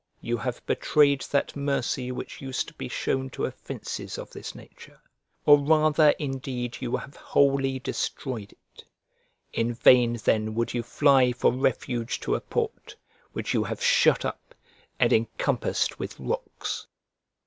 you have betrayed that mercy which used to be shown to offences of this nature, or rather, indeed, you have wholly destroyed it. In vain then would you fly for refuge to a port, which you have shut up, and encompassed with rocks."